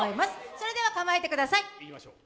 それでは構えてください。